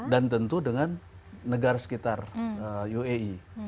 dan tentu dengan negara sekitar uae